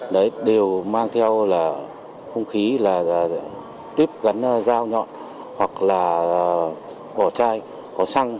đều mang theo là không khí là tuyếp gắn dao nhọn hoặc là bỏ chai có xăng